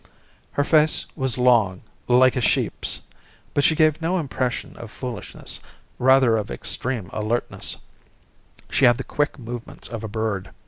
Her face was long, like a sheep's, but she gave no impression of foolishness, rather of extreme alertness; she had the quick movements of a bird.